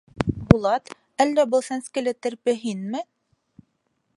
— Булат, әллә был сәнскеле терпе һинме?